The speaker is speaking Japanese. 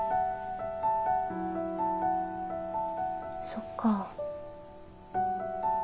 そっか。